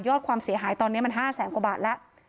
ความเสียหายตอนนี้มัน๕แสนกว่าบาทแล้ว